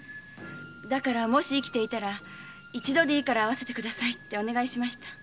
だからもし生きていたら一度でいいから会わせてくださいって。